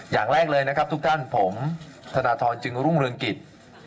อย่างแรกเลยนะครับทุกท่านผมธนทรจึงรุ่งเรืองกิจ